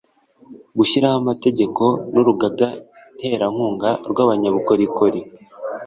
gushyiraho amategeko n'urugaga nterankunga rw'abanyabukorikori